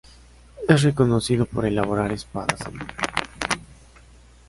Es reconocido por elaborar espadas a mano.